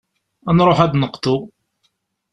Ad nruḥ ad d-neqḍu.